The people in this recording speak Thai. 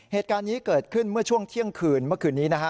เหตุการณ์นี้เกิดขึ้นเมื่อช่วงเที่ยงคืนเมื่อคืนนี้นะฮะ